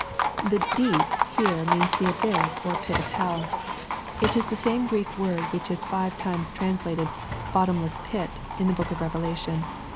] The " deep" here means the abyss or pit of hell It is the same Greek word which is five times translated " bottomless pit^" in the book of Revelation.